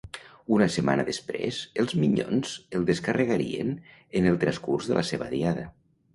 Una setmana després, els Minyons el descarregarien en el transcurs de la seva diada.